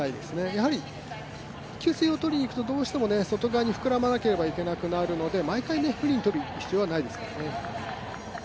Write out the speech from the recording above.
やはり給水を取りに行くと、どうしても外側に膨らまなければいけなくなるので毎回無理に取りに行く必要はないですよね。